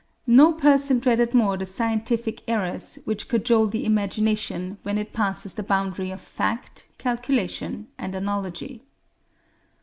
No person dreaded more the scientific errors which cajole the imagination when it passes the boundary of fact, calculation, and analogy.